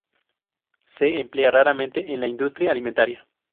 Se emplea raramente en la industria alimentaria.